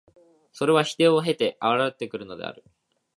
それは否定を経て現れてくるのである。